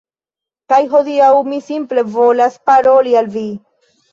Kaj hodiaŭ mi simple volas paroli al vi.